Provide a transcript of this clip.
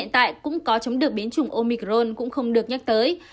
hiện tại cũng có chống được biến chủng omicron cũng không được nhắc tới